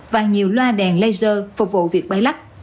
và nhiều loa đèn laser phục vụ việc bay lắp